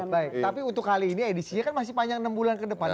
tapi untuk kali ini edisi kan masih panjang enam bulan ke depan